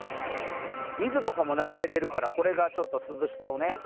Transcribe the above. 水とかも流れているから、これが涼しさをね。